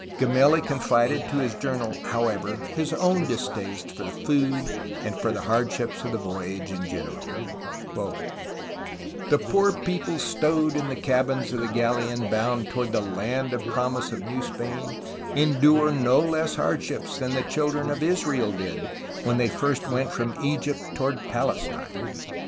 Gemelli confided to his journal, however, his own distaste for the food and for the hardships of the voyage in general: "The poor people stow'd in the cabbins of the galeon bound towards the Land of Promise of New Spain, endure no less hardships than the children of Israel did, when they went from Egypt towards Palestine.